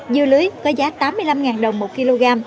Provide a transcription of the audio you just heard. dưa lưới có giá tám mươi năm đồng một kg